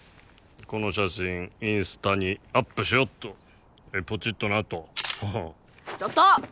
この写真インスタにアップしよっとポチッとなとちょっと！